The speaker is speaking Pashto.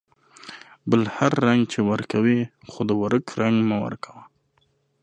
بل هر رنگ چې ورکوې ، خو د ورک رنگ مه ورکوه.